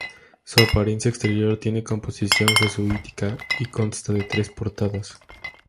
Su apariencia exterior tiene composición jesuítica y consta de tres portadas.